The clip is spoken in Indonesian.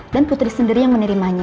dan putri sendiri yang menerimanya